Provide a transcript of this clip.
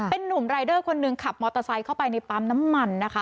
เป็นนุ่มรายเดอร์คนหนึ่งขับมอเตอร์ไซค์เข้าไปในปั๊มน้ำมันนะคะ